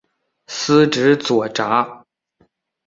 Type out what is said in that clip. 司职左闸。